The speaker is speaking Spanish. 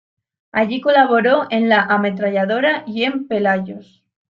Allí colaboró en "La Ametralladora" y en "Pelayos".